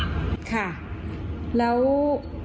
ไม่อยากที่เป็นเรื่องจริงแต่ก็ต้องไปดูความรัก